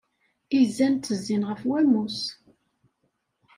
Izan ttezzin ɣef wamus.